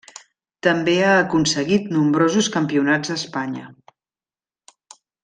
També ha aconseguit nombrosos Campionats d'Espanya.